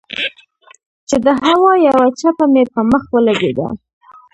چې د هوا يوه چپه مې پۀ مخ ولګېده